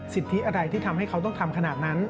สิทธิอะไรที่ทำให้เขาต้องทำขนาดนั้น